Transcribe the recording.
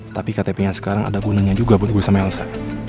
tapi ktp nya sekarang ada gunanya juga buat gue sama elsa